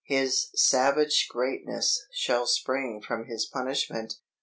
"His savage greatness shall spring from his punishment.